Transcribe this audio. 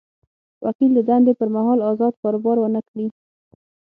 وکیل د دندې پر مهال ازاد کاروبار ونه کړي.